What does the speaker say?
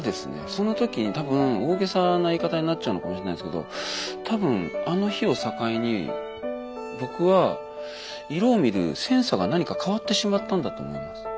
その時に多分大げさな言い方になっちゃうのかもしれないんですけど多分あの日を境に僕は色を見るセンサーが何か変わってしまったんだと思います。